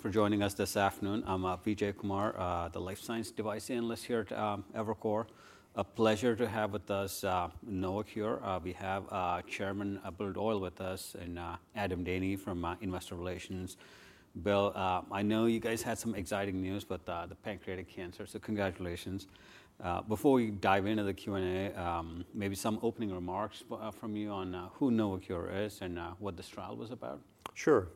for joining us this afternoon. I'm Vijay Kumar, the Life Science Device Analyst here at Evercore. A pleasure to have with us Novocure. We have Chairman Bill Doyle with us, and Adam Daney from Investor Relations. Bill, I know you guys had some exciting news with the pancreatic cancer, so congratulations. Before we dive into the Q&A, maybe some opening remarks from you on who Novocure is and what this trial was about. Sure.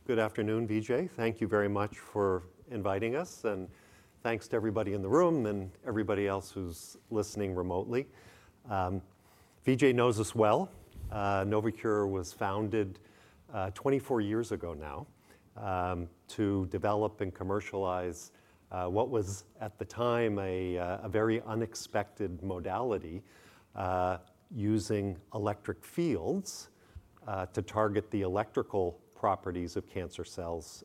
So good afternoon, Vijay. Thank you very much for inviting us. And thanks to everybody in the room and everybody else who's listening remotely. Vijay knows us well. Novocure was founded 24 years ago now to develop and commercialize what was, at the time, a very unexpected modality using electric fields to target the electrical properties of cancer cells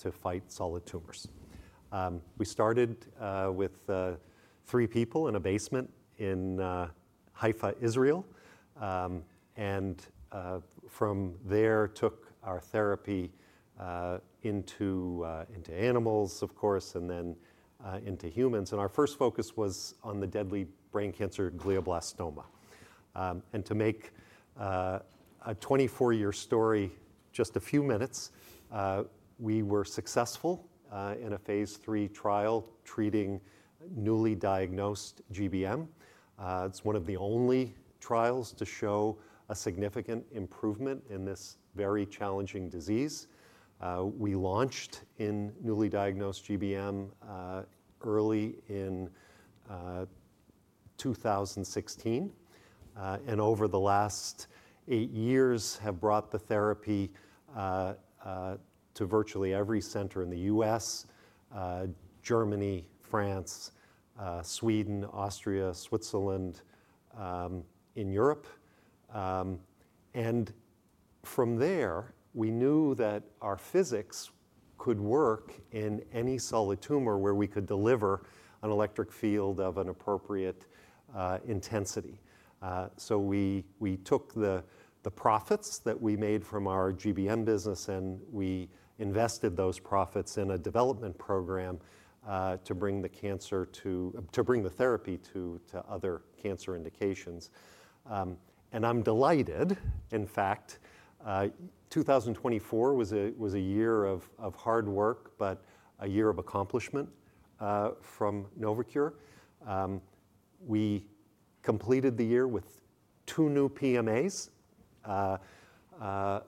to fight solid tumors. We started with three people in a basement in Haifa, Israel. And from there, took our therapy into animals, of course, and then into humans. And our first focus was on the deadly brain cancer, glioblastoma. And to make a 24-year story just a few minutes, we were successful in a phase three trial treating newly diagnosed GBM. It's one of the only trials to show a significant improvement in this very challenging disease. We launched in newly diagnosed GBM early in 2016. Over the last eight years, have brought the therapy to virtually every center in the U.S., Germany, France, Sweden, Austria, Switzerland, in Europe. From there, we knew that our physics could work in any solid tumor where we could deliver an electric field of an appropriate intensity. We took the profits that we made from our GBM business, and we invested those profits in a development program to bring the therapy to other cancer indications. I'm delighted, in fact. 2024 was a year of hard work, but a year of accomplishment from Novocure. We completed the year with two new PMAs,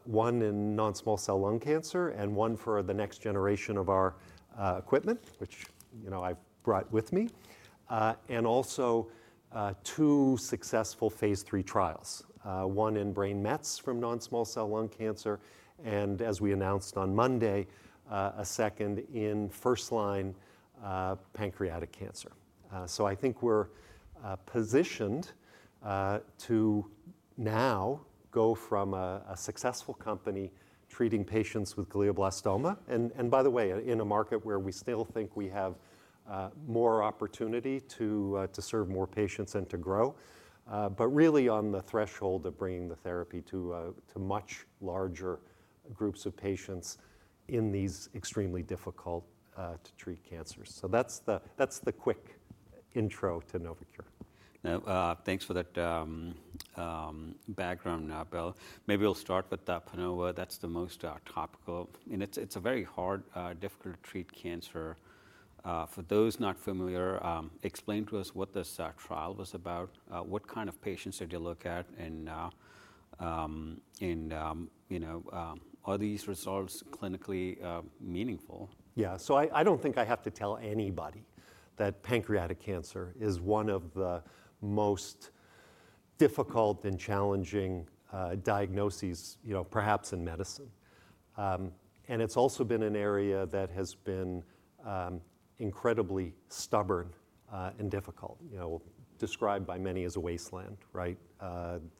one in non-small cell lung cancer and one for the next generation of our equipment, which I've brought with me, and also two successful phase 3 trials, one in brain mets from non-small cell lung cancer. And as we announced on Monday, a second in first-line pancreatic cancer. So I think we're positioned to now go from a successful company treating patients with glioblastoma. And by the way, in a market where we still think we have more opportunity to serve more patients and to grow, but really on the threshold of bringing the therapy to much larger groups of patients in these extremely difficult to treat cancers. So that's the quick intro to Novocure. Now, thanks for that background, Bill. Maybe we'll start with that panel where that's the most topical, and it's a very hard, difficult to treat cancer. For those not familiar, explain to us what this trial was about. What kind of patients did you look at, and are these results clinically meaningful? Yeah. So I don't think I have to tell anybody that pancreatic cancer is one of the most difficult and challenging diagnoses, perhaps in medicine, and it's also been an area that has been incredibly stubborn and difficult, described by many as a wasteland.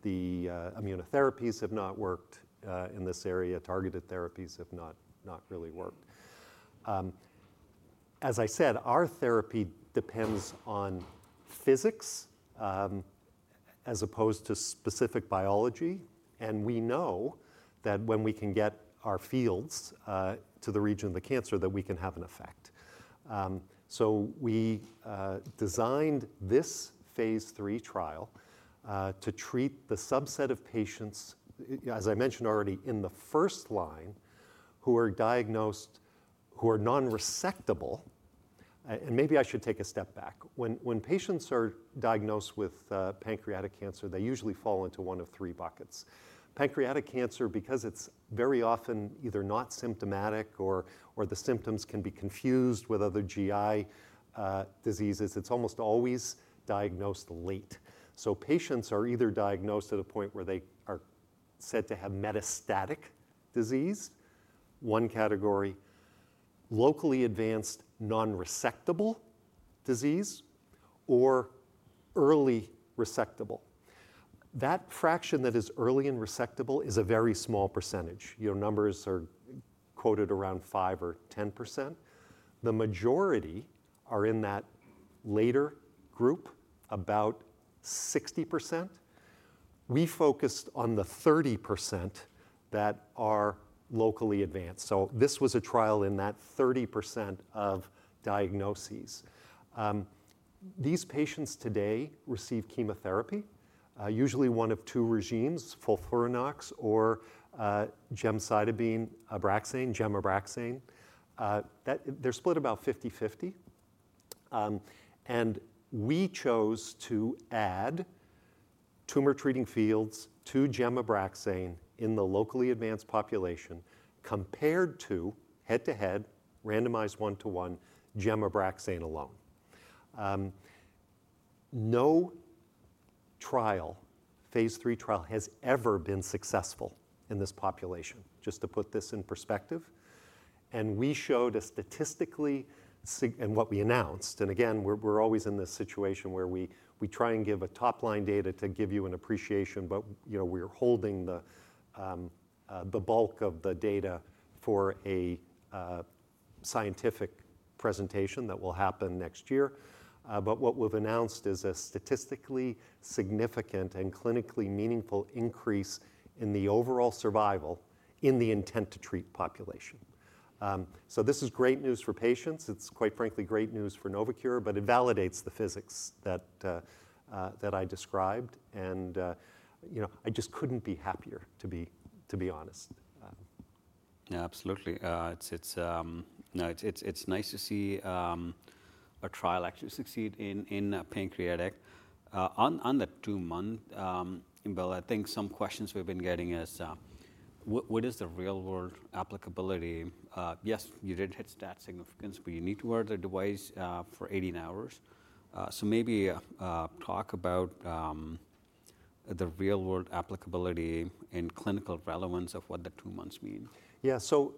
The immunotherapies have not worked in this area. Targeted therapies have not really worked. As I said, our therapy depends on physics as opposed to specific biology, and we know that when we can get our fields to the region of the cancer, that we can have an effect, so we designed this phase three trial to treat the subset of patients, as I mentioned already, in the first-line who are non-resectable, and maybe I should take a step back. When patients are diagnosed with pancreatic cancer, they usually fall into one of three buckets. Pancreatic cancer, because it's very often either not symptomatic or the symptoms can be confused with other GI diseases, it's almost always diagnosed late. So patients are either diagnosed at a point where they are said to have metastatic disease, one category, locally advanced non-resectable disease, or early resectable. That fraction that is early and resectable is a very small percentage. Numbers are quoted around 5% or 10%. The majority are in that later group, about 60%. We focused on the 30% that are locally advanced. So this was a trial in that 30% of diagnoses. These patients today receive chemotherapy, usually one of two regimens, FOLFIRINOX or gemcitabine Abraxane, GemAbraxane. They're split about 50/50. And we chose to add Tumor Treating Fields to GemAbraxane in the locally advanced population compared to head-to-head, randomized one-to-one GemAbraxane alone. No trial, phase 3 trial, has ever been successful in this population, just to put this in perspective, and we showed a statistically and what we announced, and again, we're always in this situation where we try and give a top-line data to give you an appreciation, but we're holding the bulk of the data for a scientific presentation that will happen next year, but what we've announced is a statistically significant and clinically meaningful increase in the overall survival in the intent to treat population, so this is great news for patients. It's, quite frankly, great news for Novocure, but it validates the physics that I described, and I just couldn't be happier, to be honest. Yeah, absolutely. It's nice to see a trial actually succeed in pancreatic. On that two-month, Bill, I think some questions we've been getting is, what is the real-world applicability? Yes, you did hit that significance, but you need to wear the device for 18 hours. So maybe talk about the real-world applicability and clinical relevance of what the two months mean. Yeah. So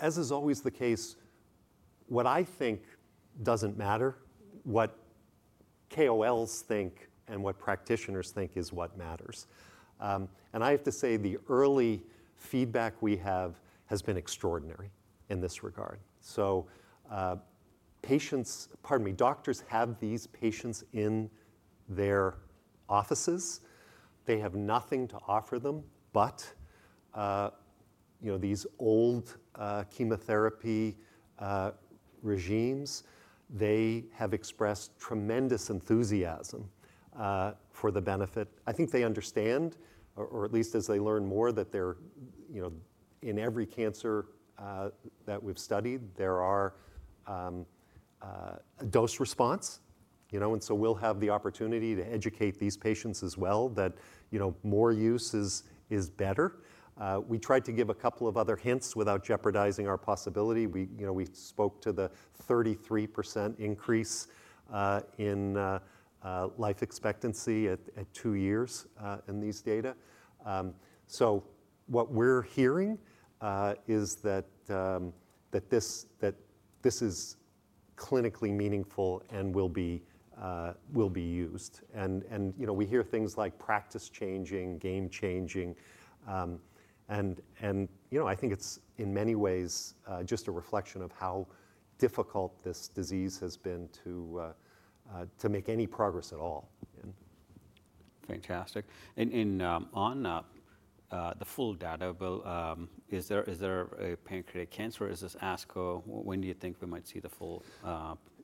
as is always the case, what I think doesn't matter, what KOLs think and what practitioners think is what matters. And I have to say the early feedback we have has been extraordinary in this regard. So doctors have these patients in their offices. They have nothing to offer them, but these old chemotherapy regimens. They have expressed tremendous enthusiasm for the benefit. I think they understand, or at least as they learn more, that in every cancer that we've studied, there are a dose-response. And so we'll have the opportunity to educate these patients as well that more use is better. We tried to give a couple of other hints without jeopardizing our possibility. We spoke to the 33% increase in life expectancy at two years in these data. So what we're hearing is that this is clinically meaningful and will be used. We hear things like practice changing, game changing. I think it's, in many ways, just a reflection of how difficult this disease has been to make any progress at all. Fantastic. And on the full data, Bill, is there a pancreatic cancer or is this ASCO? When do you think we might see the full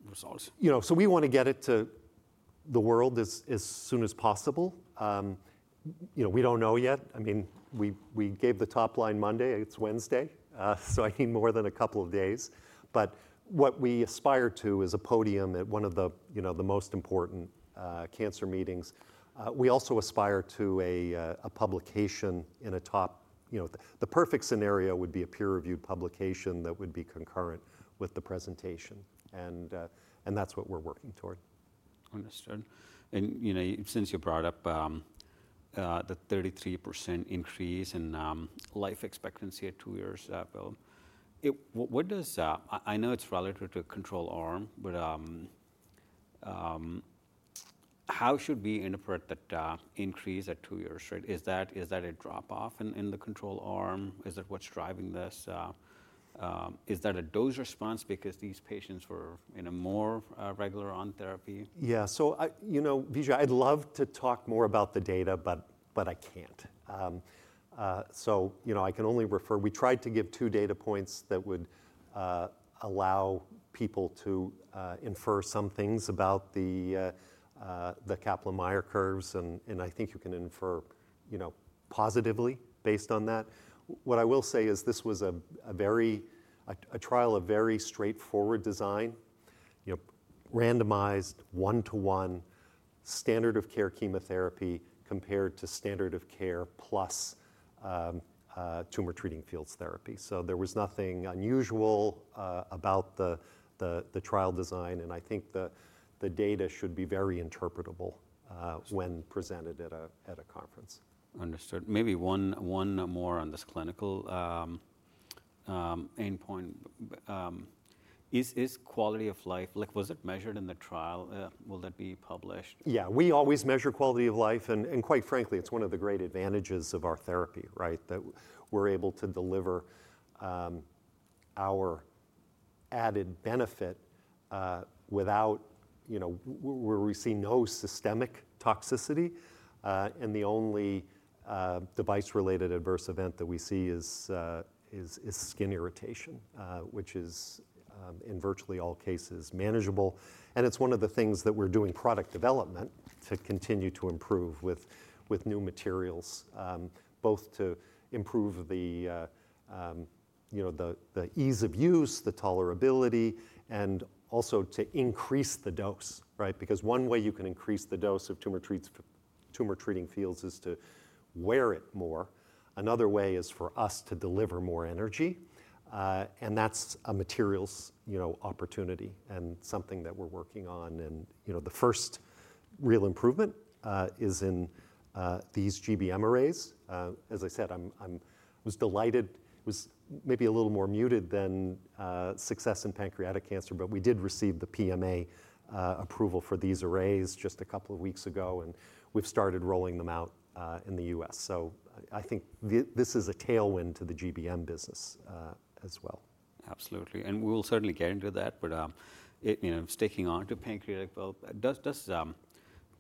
results? So we want to get it to the world as soon as possible. We don't know yet. I mean, we gave the top line Monday. It's Wednesday. So I need more than a couple of days. But what we aspire to is a podium at one of the most important cancer meetings. We also aspire to a publication in a top. The perfect scenario would be a peer-reviewed publication that would be concurrent with the presentation. And that's what we're working toward. Understood, and since you brought up the 33% increase in life expectancy at two years, Bill, I know it's relative to control arm, but how should we interpret that increase at two years? Is that a drop-off in the control arm? Is that what's driving this? Is that a dose response because these patients were in a more regular on therapy? Yeah. So Vijay, I'd love to talk more about the data, but I can't. So I can only refer. We tried to give two data points that would allow people to infer some things about the Kaplan-Meier curves. And I think you can infer positively based on that. What I will say is this was a trial of very straightforward design, randomized one-to-one, standard of care chemotherapy compared to standard of care plus Tumor Treating Fields therapy. So there was nothing unusual about the trial design. And I think the data should be very interpretable when presented at a conference. Understood. Maybe one more on this clinical endpoint. Is quality of life? Was it measured in the trial? Will that be published? Yeah. We always measure quality of life. And quite frankly, it's one of the great advantages of our therapy, right, that we're able to deliver our added benefit without where we see no systemic toxicity. And the only device-related adverse event that we see is skin irritation, which is in virtually all cases manageable. And it's one of the things that we're doing product development to continue to improve with new materials, both to improve the ease of use, the tolerability, and also to increase the dose, right? Because one way you can increase the dose of Tumor Treating Fields is to wear it more. Another way is for us to deliver more energy. And that's a materials opportunity and something that we're working on. And the first real improvement is in these GBM arrays. As I said, I was delighted. It was maybe a little more muted than success in pancreatic cancer, but we did receive the PMA approval for these arrays just a couple of weeks ago, and we've started rolling them out in the U.S., so I think this is a tailwind to the GBM business as well. Absolutely. And we'll certainly get into that. But sticking on to pancreatic, Bill, does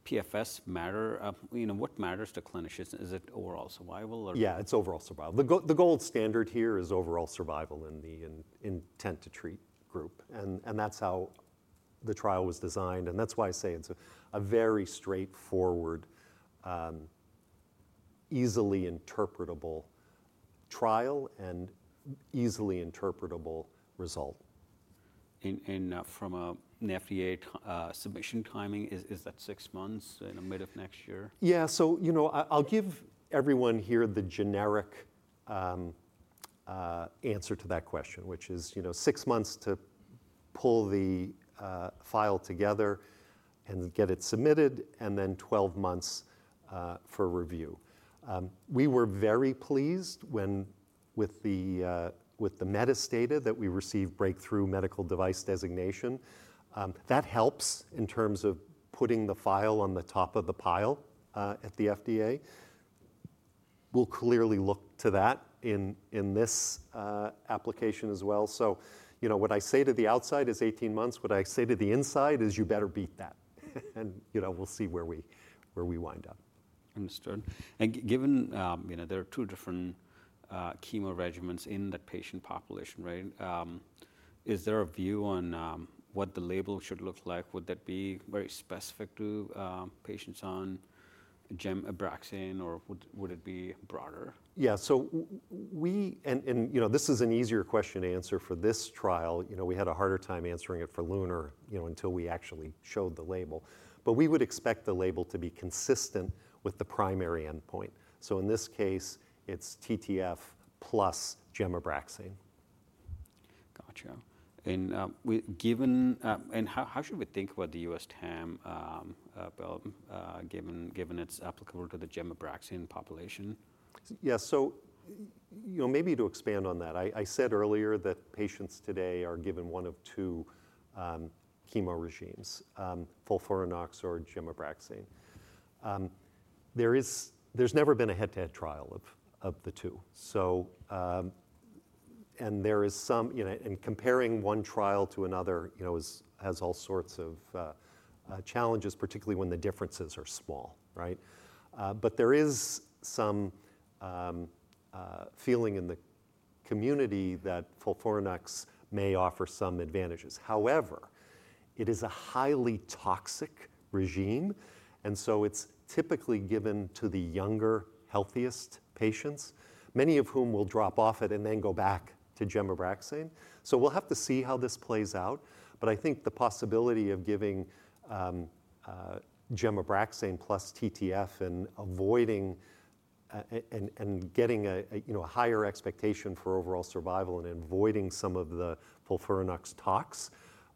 PFS matter? What matters to clinicians? Is it overall survival? Yeah, it's overall survival. The gold standard here is overall survival in the intent-to-treat group. And that's how the trial was designed. And that's why I say it's a very straightforward, easily interpretable trial and easily interpretable result. From an FDA submission timing, is that six months in the middle of next year? Yeah, so I'll give everyone here the generic answer to that question, which is six months to pull the file together and get it submitted, and then 12 months for review. We were very pleased with the metastatic data that we received Breakthrough Device Designation. That helps in terms of putting the file on the top of the pile at the FDA. We'll clearly look to that in this application as well, so what I say to the outside is 18 months. What I say to the inside is you better beat that, and we'll see where we wind up. Understood, and given there are two different chemo regimens in the patient population, right, is there a view on what the label should look like? Would that be very specific to patients on GemAbraxane, or would it be broader? Yeah, and this is an easier question to answer for this trial. We had a harder time answering it for LUNAR until we actually showed the label, but we would expect the label to be consistent with the primary endpoint, so in this case, it's TTF plus GemAbraxane. Gotcha. And how should we think about the U.S. TAM, Bill, given it's applicable to the GemAbraxane population? Yeah. So maybe to expand on that, I said earlier that patients today are given one of two chemo regimens, FOLFIRINOX or GemAbraxane. There's never been a head-to-head trial of the two. And there is some, and comparing one trial to another has all sorts of challenges, particularly when the differences are small, right? But there is some feeling in the community that FOLFIRINOX may offer some advantages. However, it is a highly toxic regimen. And so it's typically given to the younger, healthiest patients, many of whom will drop off it and then go back to GemAbraxane. So we'll have to see how this plays out. But I think the possibility of giving GemAbraxane plus TTF and getting a higher expectation for overall survival and avoiding some of the FOLFIRINOX tox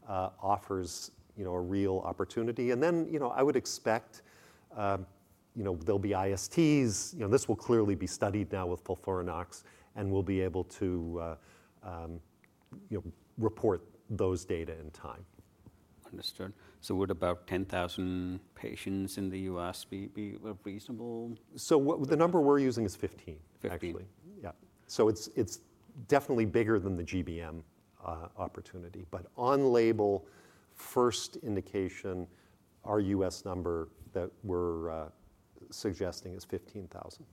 offers a real opportunity. And then I would expect there'll be ISTs. This will clearly be studied now with FOLFIRINOX, and we'll be able to report those data in time. Understood. So would about 10,000 patients in the U.S. be reasonable? The number we're using is 15, actually. 15. Yeah. So it's definitely bigger than the GBM opportunity. But on label, first indication, our U.S. number that we're suggesting is 15,000.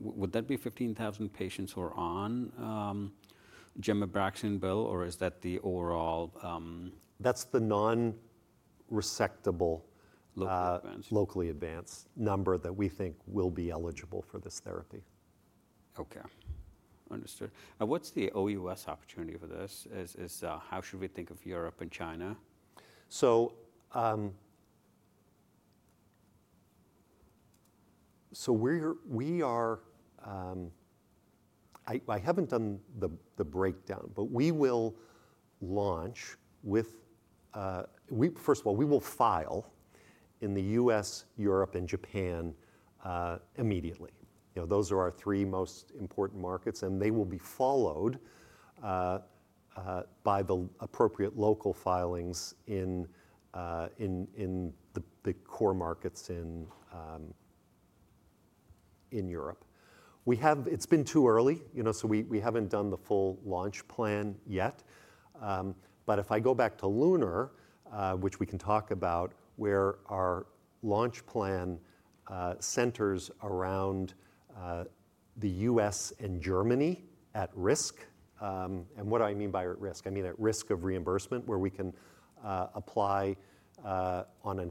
Would that be 15,000 patients who are on GemAbraxane, Bill, or is that the overall? That's the non-resectable locally advanced number that we think will be eligible for this therapy. Okay. Understood. What's the OUS opportunity for this? How should we think of Europe and China? I haven't done the breakdown, but we will launch. First of all, we will file in the US, Europe, and Japan immediately. Those are our three most important markets. They will be followed by the appropriate local filings in the core markets in Europe. It's been too early, so we haven't done the full launch plan yet. If I go back to LUNAR, which we can talk about, where our launch plan centers around the US and Germany at risk. What I mean by at risk, I mean at risk of reimbursement, where we can apply on a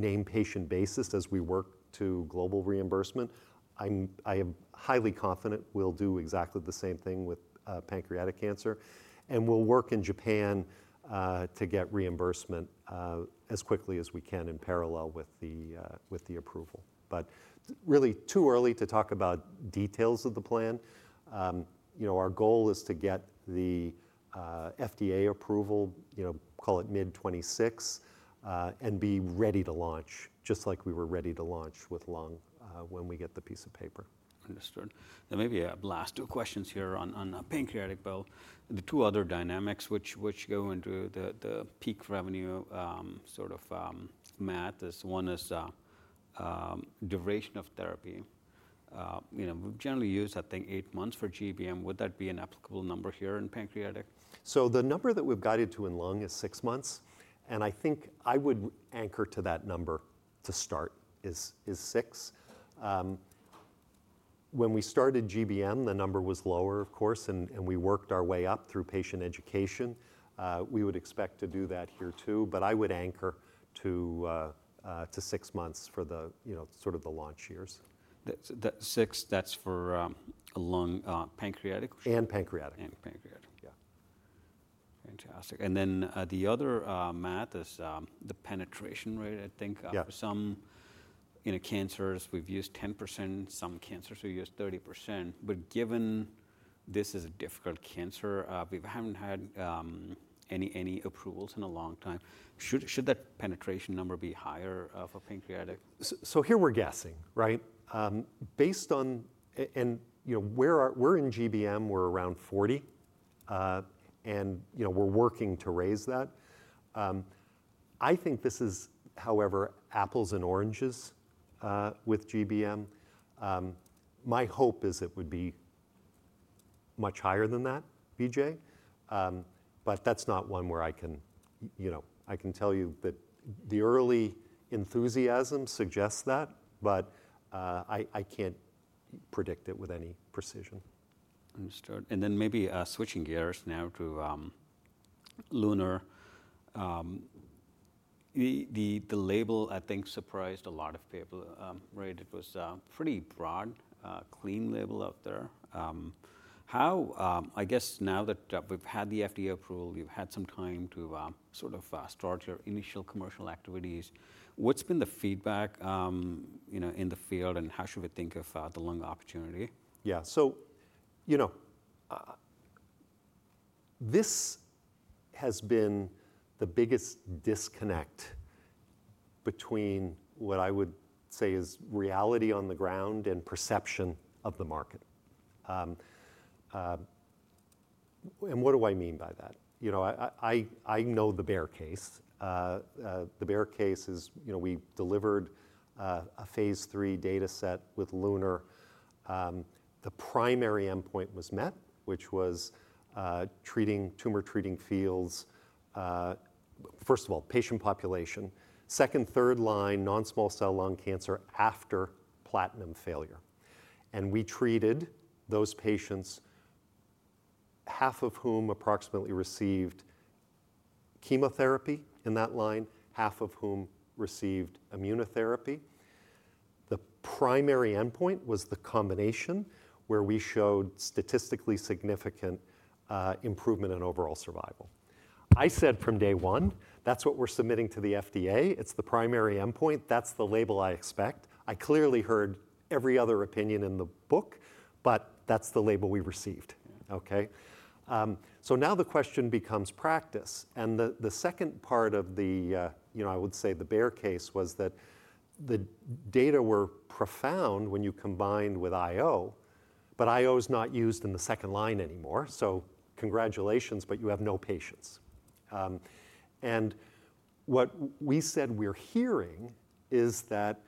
name patient basis as we work to global reimbursement. I am highly confident we'll do exactly the same thing with pancreatic cancer. We'll work in Japan to get reimbursement as quickly as we can in parallel with the approval. But really too early to talk about details of the plan. Our goal is to get the FDA approval, call it mid-2026, and be ready to launch just like we were ready to launch with Lung when we get the piece of paper. Understood. And maybe last two questions here on pancreatic, Bill. The two other dynamics which go into the peak revenue sort of math is one is duration of therapy. We've generally used, I think, eight months for GBM. Would that be an applicable number here in pancreatic? The number that we've guided to in Lung is six months. And I think I would anchor to that number to start is six. When we started GBM, the number was lower, of course. And we worked our way up through patient education. We would expect to do that here too. But I would anchor to six months for sort of the launch years. Six, that's for lung, pancreatic? And pancreatic. And pancreatic. Yeah. Fantastic. And then the other math is the penetration rate, I think. For some cancers, we've used 10%. Some cancers, we've used 30%. But given this is a difficult cancer, we haven't had any approvals in a long time. Should that penetration number be higher for pancreatic? So here we're guessing, right? Based on and we're in GBM. We're around 40. And we're working to raise that. I think this is, however, apples and oranges with GBM. My hope is it would be much higher than that, Vijay. But that's not one where I can tell you that the early enthusiasm suggests that. But I can't predict it with any precision. Understood. And then maybe switching gears now to LUNAR. The label, I think, surprised a lot of people, right? It was a pretty broad, clean label out there. I guess now that we've had the FDA approval, you've had some time to sort of start your initial commercial activities. What's been the feedback in the field, and how should we think of the lung opportunity? Yeah. So this has been the biggest disconnect between what I would say is reality on the ground and perception of the market. And what do I mean by that? I know the bear case. The bear case is we delivered a phase three data set with LUNAR. The primary endpoint was met, which was treating tumor treating fields. First of all, patient population. Second, third line, non-small cell lung cancer after platinum failure. And we treated those patients, half of whom approximately received chemotherapy in that line, half of whom received immunotherapy. The primary endpoint was the combination where we showed statistically significant improvement in overall survival. I said from day one, that's what we're submitting to the FDA. It's the primary endpoint. That's the label I expect. I clearly heard every other opinion in the book, but that's the label we received, okay? So now the question becomes practice. And the second part of the, I would say, the bear case was that the data were profound when you combined with IO, but IO is not used in the second line anymore. So congratulations, but you have no patients. And what we said we're hearing is that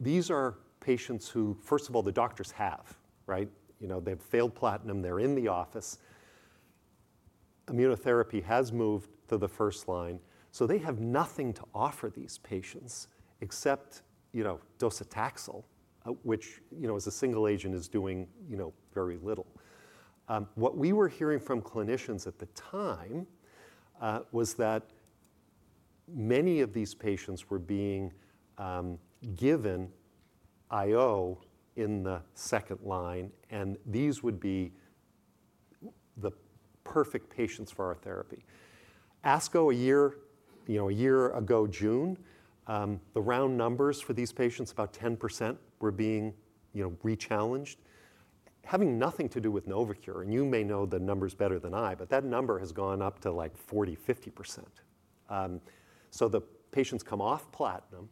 these are patients who, first of all, the doctors have, right? They've failed platinum. They're in the office. Immunotherapy has moved to the first line. So they have nothing to offer these patients except docetaxel, which as a single agent is doing very little. What we were hearing from clinicians at the time was that many of these patients were being given IO in the second line. And these would be the perfect patients for our therapy. ASCO a year ago, June, the round numbers for these patients, about 10%, were being rechallenged, having nothing to do with Novocure. And you may know the numbers better than I, but that number has gone up to like 40%, 50%. So the patients come off platinum,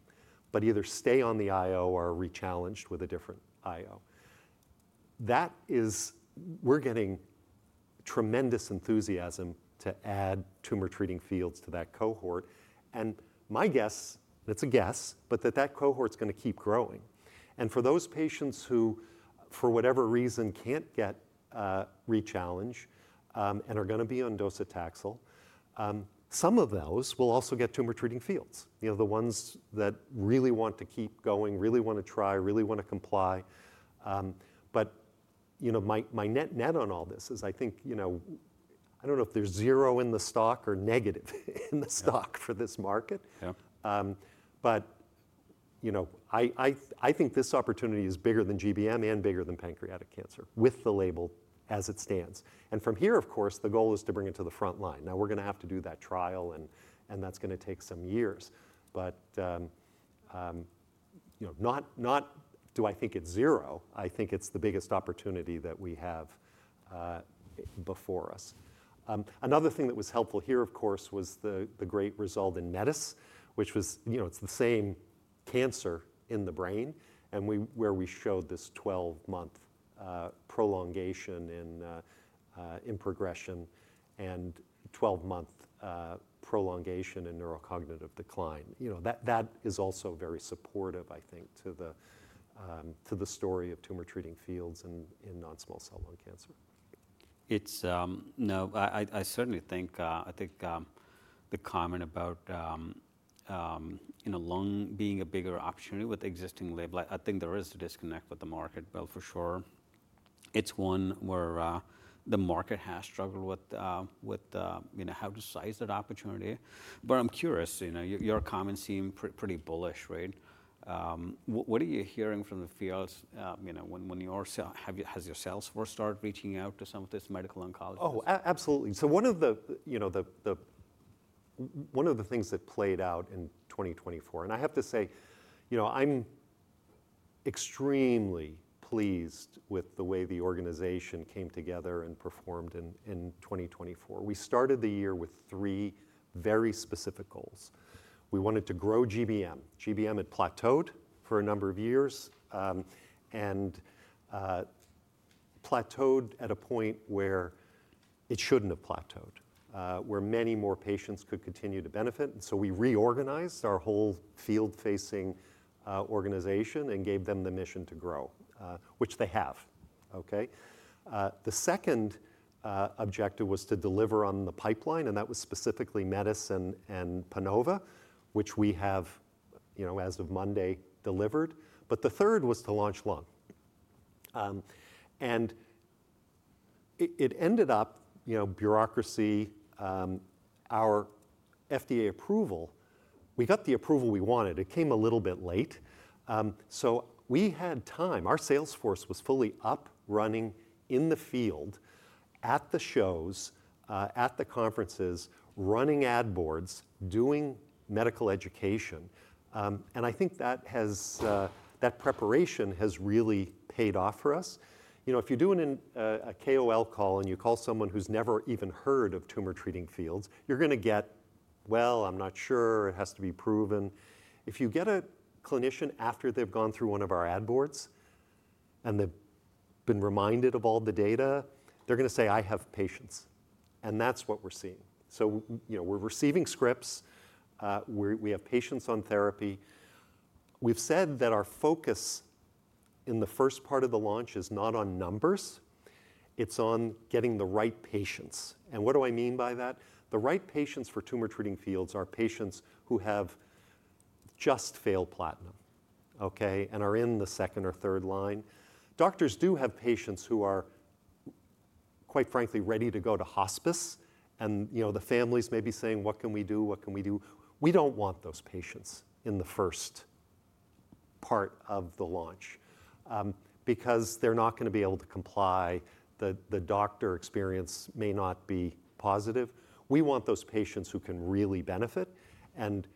but either stay on the IO or are rechallenged with a different IO. We're getting tremendous enthusiasm to add Tumor Treating Fields to that cohort. And my guess, and it's a guess, but that cohort's going to keep growing. And for those patients who, for whatever reason, can't get rechallenged and are going to be on docetaxel, some of those will also get Tumor Treating Fields, the ones that really want to keep going, really want to try, really want to comply. But my net on all this is I think I don't know if there's zero in the stock or negative in the stock for this market. But I think this opportunity is bigger than GBM and bigger than pancreatic cancer with the label as it stands. And from here, of course, the goal is to bring it to the front line. Now we're going to have to do that trial, and that's going to take some years. But not do I think it's zero. I think it's the biggest opportunity that we have before us. Another thing that was helpful here, of course, was the great result in METIS, which was it's the same cancer in the brain where we showed this 12-month prolongation in progression and 12-month prolongation in neurocognitive decline. That is also very supportive, I think, to the story of Tumor Treating Fields in non-small cell lung cancer. Now, I certainly think the comment about lung being a bigger option with existing label. I think there is a disconnect with the market, Bill, for sure. It's one where the market has struggled with how to size that opportunity. But I'm curious. Your comments seem pretty bullish, right? What are you hearing from the field when your sales force has started reaching out to some of these medical oncologists? Oh, absolutely. So one of the things that played out in 2024, and I have to say, I'm extremely pleased with the way the organization came together and performed in 2024. We started the year with three very specific goals. We wanted to grow GBM. GBM had plateaued for a number of years and plateaued at a point where it shouldn't have plateaued, where many more patients could continue to benefit, and so we reorganized our whole field-facing organization and gave them the mission to grow, which they have, okay? The second objective was to deliver on the pipeline, and that was specifically METIS and PANOVA, which we have, as of Monday, delivered, but the third was to launch LUNAR, and it ended up bureaucracy, our FDA approval. We got the approval we wanted. It came a little bit late, so we had time. Our sales force was fully up, running in the field, at the shows, at the conferences, running ad boards, doing medical education. And I think that preparation has really paid off for us. If you do a KOL call and you call someone who's never even heard of Tumor Treating Fields, you're going to get, well, I'm not sure. It has to be proven. If you get a clinician after they've gone through one of our ad boards and they've been reminded of all the data, they're going to say, I have patients. And that's what we're seeing. So we're receiving scripts. We have patients on therapy. We've said that our focus in the first part of the launch is not on numbers. It's on getting the right patients. And what do I mean by that? The right patients for Tumor Treating Fields are patients who have just failed platinum, okay, and are in the second or third line. Doctors do have patients who are, quite frankly, ready to go to hospice, and the families may be saying, what can we do? What can we do? We don't want those patients in the first part of the launch because they're not going to be able to comply. The doctor experience may not be positive. We want those patients who can really benefit, and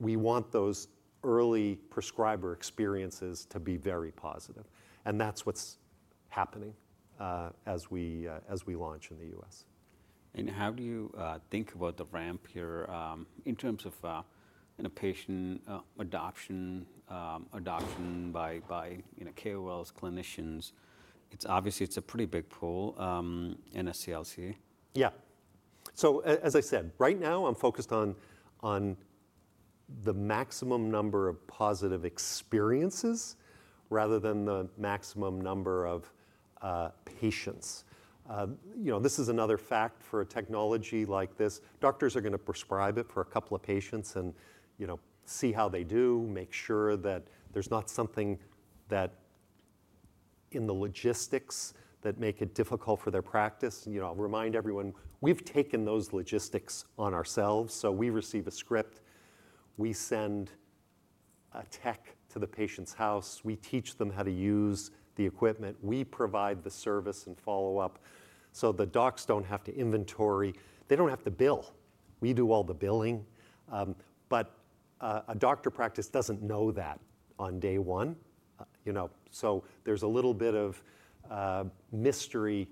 we want those early prescriber experiences to be very positive, and that's what's happening as we launch in the U.S. And how do you think about the ramp here in terms of patient adoption, adoption by KOLs, clinicians? Obviously, it's a pretty big pool in a CLC. Yeah. So as I said, right now, I'm focused on the maximum number of positive experiences rather than the maximum number of patients. This is another fact for a technology like this. Doctors are going to prescribe it for a couple of patients and see how they do, make sure that there's not something in the logistics that make it difficult for their practice. I'll remind everyone, we've taken those logistics on ourselves. So we receive a script. We send a tech to the patient's house. We teach them how to use the equipment. We provide the service and follow-up. So the docs don't have to inventory. They don't have to bill. We do all the billing. But a doctor practice doesn't know that on day one. So there's a little bit of mystery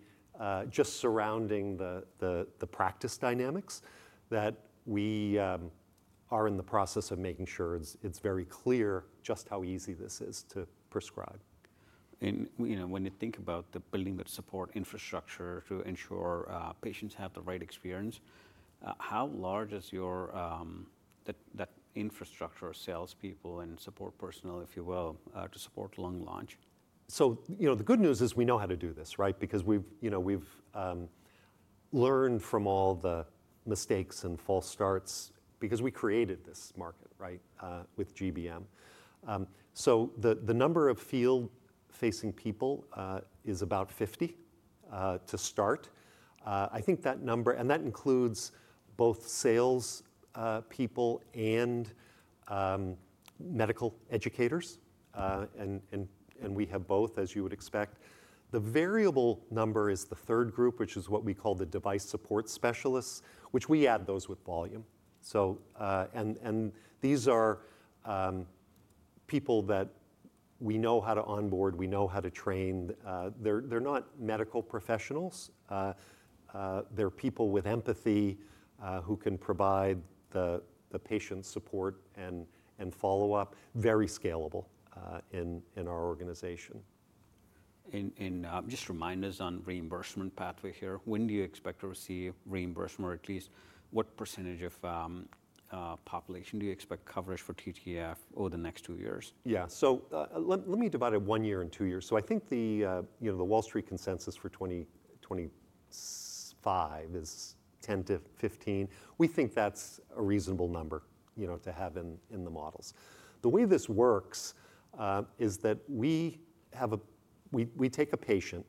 just surrounding the practice dynamics that we are in the process of making sure it's very clear just how easy this is to prescribe. When you think about the building that support infrastructure to ensure patients have the right experience, how large is that infrastructure of salespeople and support personnel, if you will, to support Lung launch? So the good news is we know how to do this, right, because we've learned from all the mistakes and false starts because we created this market, right, with GBM. So the number of field-facing people is about 50 to start. I think that number, and that includes both salespeople and medical educators. And we have both, as you would expect. The variable number is the third group, which is what we call the device support specialists, which we add those with volume. And these are people that we know how to onboard. We know how to train. They're not medical professionals. They're people with empathy who can provide the patient support and follow-up, very scalable in our organization. Just remind us on reimbursement pathway here. When do you expect to receive reimbursement, or at least what percentage of population do you expect coverage for TTF over the next two years? Yeah. So let me divide it one year and two years. So I think the Wall Street consensus for 2025 is 10-15. We think that's a reasonable number to have in the models. The way this works is that we take a patient.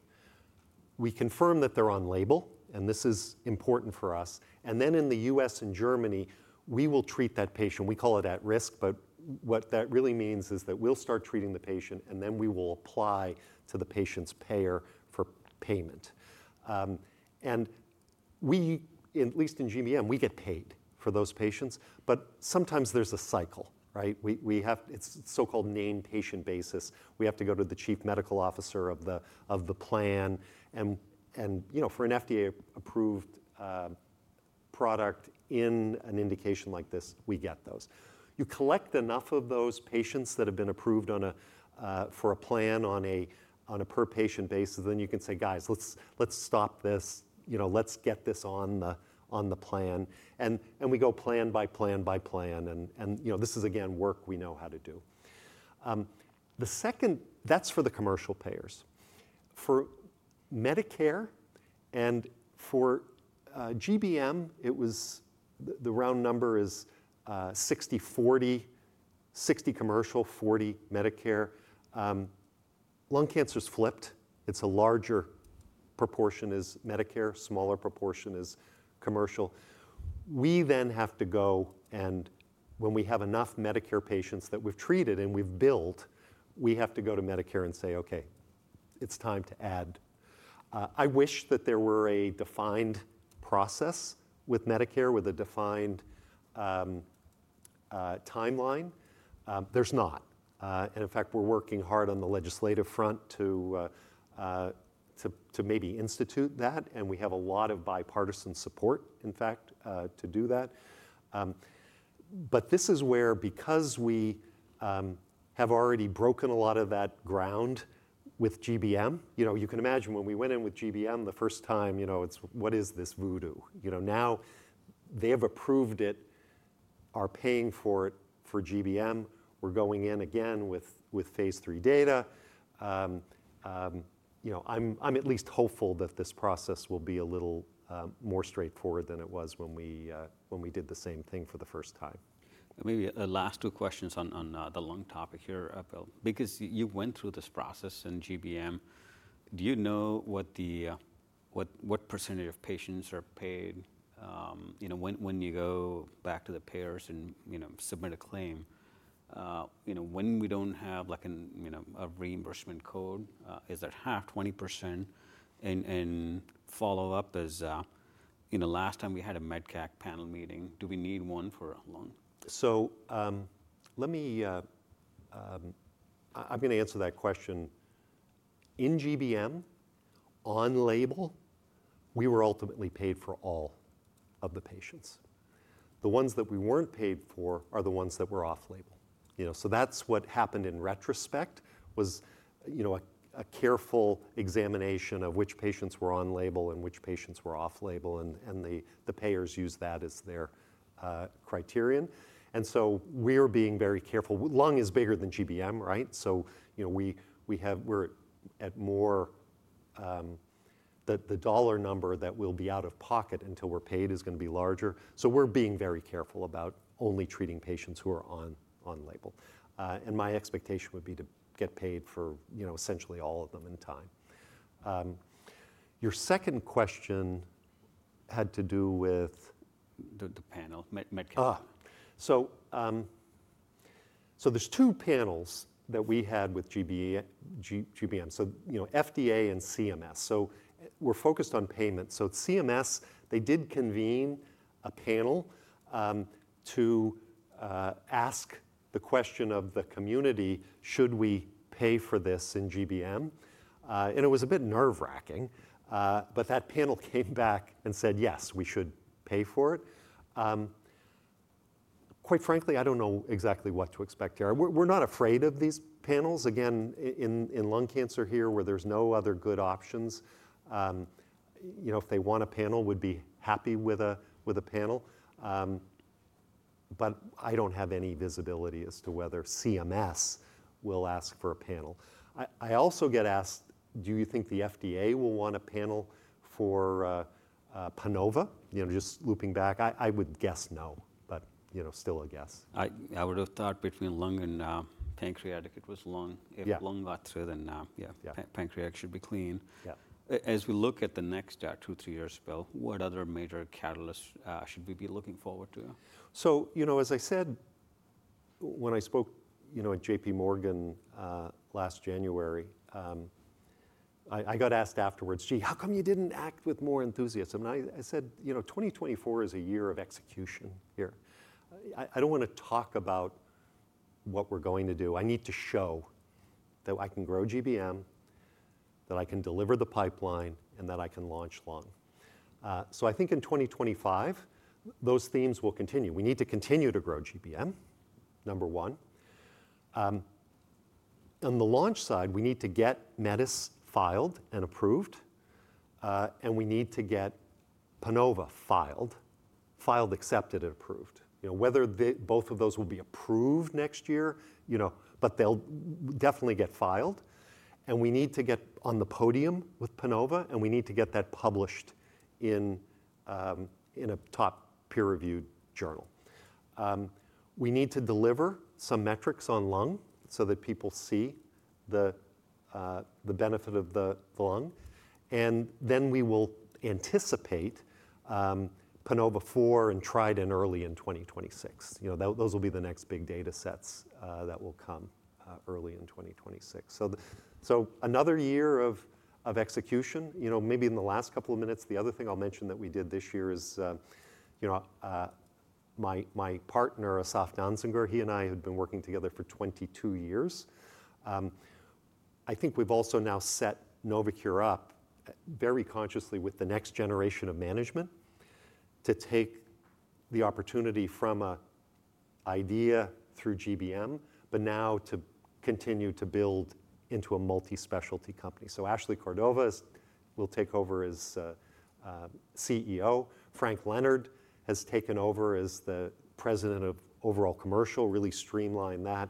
We confirm that they're on label, and this is important for us. And then in the U.S. and Germany, we will treat that patient. We call it at risk, but what that really means is that we'll start treating the patient, and then we will apply to the patient's payer for payment. And at least in GBM, we get paid for those patients. But sometimes there's a cycle, right? It's so-called name patient basis. We have to go to the chief medical officer of the plan. And for an FDA-approved product in an indication like this, we get those. You collect enough of those patients that have been approved for a plan on a per-patient basis, then you can say, guys, let's stop this. Let's get this on the plan. And we go plan by plan by plan. And this is, again, work we know how to do. The second, that's for the commercial payers. For Medicare and for GBM, the round number is 60-40, 60 commercial, 40 Medicare. Lung cancer's flipped. It's a larger proportion is Medicare, smaller proportion is commercial. We then have to go, and when we have enough Medicare patients that we've treated and we've built, we have to go to Medicare and say, okay, it's time to add. I wish that there were a defined process with Medicare with a defined timeline. There's not. And in fact, we're working hard on the legislative front to maybe institute that. We have a lot of bipartisan support, in fact, to do that. This is where, because we have already broken a lot of that ground with GBM, you can imagine when we went in with GBM the first time, it's, what is this voodoo? Now they have approved it, are paying for it for GBM. We're going in again with phase three data. I'm at least hopeful that this process will be a little more straightforward than it was when we did the same thing for the first time. Maybe the last two questions on the lung topic here, Bill, because you went through this process in GBM. Do you know what percentage of patients are paid when you go back to the payers and submit a claim? When we don't have a reimbursement code, is it half, 20%? And follow-up is, last time we had a MedCAC panel meeting, do we need one for lung? So I'm going to answer that question. In GBM, on label, we were ultimately paid for all of the patients. The ones that we weren't paid for are the ones that were off label. So that's what happened in retrospect was a careful examination of which patients were on label and which patients were off label. And the payers use that as their criterion. And so we're being very careful. Lung is bigger than GBM, right? So we're at more the dollar number that will be out of pocket until we're paid is going to be larger. So we're being very careful about only treating patients who are on label. And my expectation would be to get paid for essentially all of them in time. Your second question had to do with. The panel, MedCAC. So there's two panels that we had with GBM. So FDA and CMS. So we're focused on payment. So CMS, they did convene a panel to ask the question of the community, should we pay for this in GBM? And it was a bit nerve-wracking. But that panel came back and said, yes, we should pay for it. Quite frankly, I don't know exactly what to expect here. We're not afraid of these panels. Again, in lung cancer here where there's no other good options, if they want a panel, would be happy with a panel. But I don't have any visibility as to whether CMS will ask for a panel. I also get asked, do you think the FDA will want a panel for PANOVA? Just looping back, I would guess no, but still a guess. I would have thought between lung and pancreatic, it was lung. If lung got through, then yeah, pancreatic should be clean. As we look at the next two, three years, Bill, what other major catalysts should we be looking forward to? So as I said, when I spoke at J.P. Morgan last January, I got asked afterwards, gee, how come you didn't act with more enthusiasm? And I said, 2024 is a year of execution here. I don't want to talk about what we're going to do. I need to show that I can grow GBM, that I can deliver the pipeline, and that I can launch lung. So I think in 2025, those themes will continue. We need to continue to grow GBM, number one. On the launch side, we need to get METIS filed and approved. And we need to get PANOVA filed, accepted, and approved. Whether both of those will be approved next year, but they'll definitely get filed. And we need to get on the podium with PANOVA. And we need to get that published in a top peer-reviewed journal. We need to deliver some metrics on lung so that people see the benefit of the lung, and then we will anticipate PANOVA-4 and TRIDENT early in 2026. Those will be the next big data sets that will come early in 2026, so another year of execution. Maybe in the last couple of minutes, the other thing I'll mention that we did this year is my partner, Asaf Danziger; he and I have been working together for 22 years. I think we've also now set Novocure up very consciously with the next generation of management to take the opportunity from an idea through GBM, but now to continue to build into a multi-specialty company, so Ashley Cordova will take over as CEO. Frank Leonard has taken over as the president of overall commercial, really streamlined that.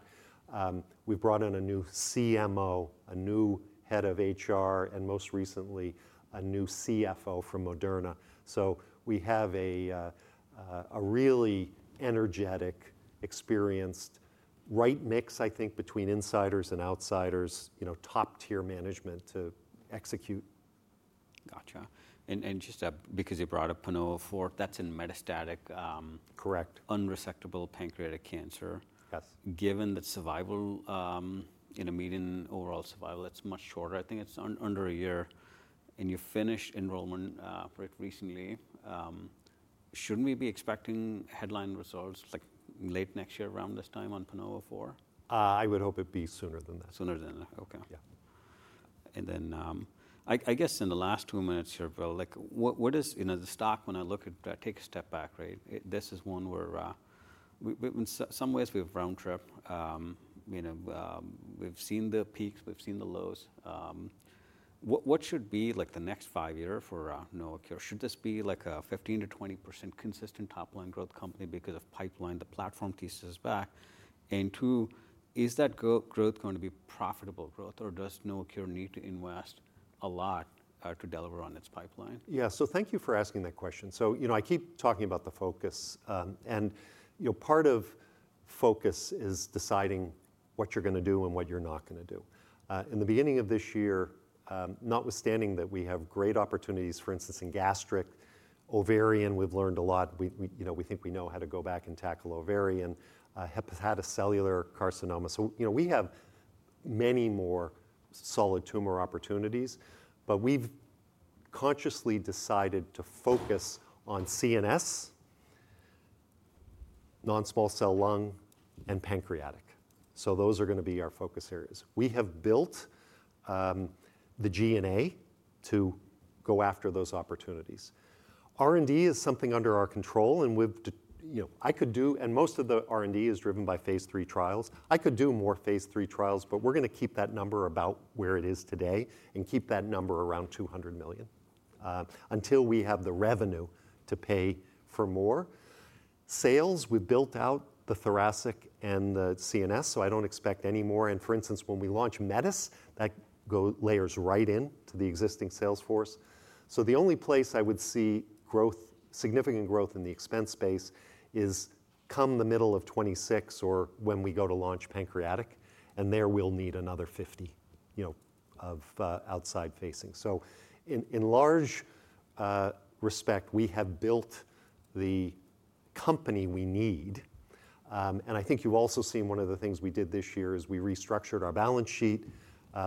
We've brought in a new CMO, a new head of HR, and most recently, a new CFO from Moderna. So we have a really energetic, experienced, right mix, I think, between insiders and outsiders, top-tier management to execute. Gotcha. And just because you brought up PANOVA-4, that's in metastatic. Correct. Unresectable pancreatic cancer. Yes. Given that survival in a median overall survival, it's much shorter. I think it's under a year, and you finished enrollment pretty recently. Shouldn't we be expecting headline results late next year around this time on PANOVA-4? I would hope it be sooner than that. Sooner than that. Okay. Yeah. And then I guess in the last two minutes here, Bill, what is the stock? When I look at that, take a step back, right? This is one where in some ways, we've round tripped. We've seen the peaks. We've seen the lows. What should be the next five years for Novocure? Should this be like a 15%-20% consistent top-line growth company because of pipeline? The platform teases us back. And two, is that growth going to be profitable growth, or does Novocure need to invest a lot to deliver on its pipeline? Yeah. So thank you for asking that question. So I keep talking about the focus. And part of focus is deciding what you're going to do and what you're not going to do. In the beginning of this year, notwithstanding that we have great opportunities, for instance, in gastric, ovarian, we've learned a lot. We think we know how to go back and tackle ovarian, hepatocellular carcinoma. So we have many more solid tumor opportunities. But we've consciously decided to focus on CNS, non-small cell lung, and pancreatic. So those are going to be our focus areas. We have built the G&A to go after those opportunities. R&D is something under our control. And I could do, and most of the R&D is driven by phase three trials. I could do more phase three trials, but we're going to keep that number about where it is today and keep that number around $200 million until we have the revenue to pay for more. Sales, we've built out the thoracic and the CNS, so I don't expect any more. And for instance, when we launch METIS, that layers right into the existing sales force. So the only place I would see significant growth in the expense space is come the middle of 2026 or when we go to launch pancreatic. And there we'll need another 50 of outside facing. So in large respect, we have built the company we need. And I think you've also seen one of the things we did this year is we restructured our balance sheet.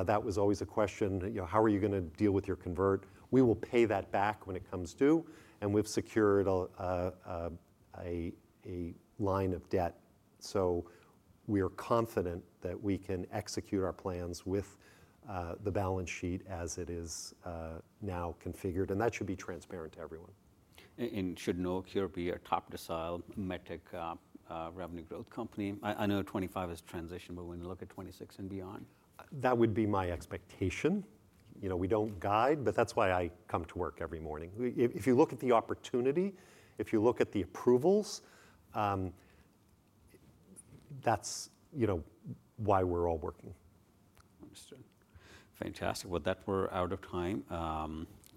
That was always a question, how are you going to deal with your convert? We will pay that back when it comes due. And we've secured a line of debt. So we are confident that we can execute our plans with the balance sheet as it is now configured. And that should be transparent to everyone. Should Novocure be a top decile MedTech revenue growth company? I know 2025 is transition, but when you look at 2026 and beyond? That would be my expectation. We don't guide, but that's why I come to work every morning. If you look at the opportunity, if you look at the approvals, that's why we're all working. Understood. Fantastic. Well, that we're out of time,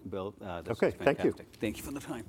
Bill. Okay. Thank you. Thank you for the time.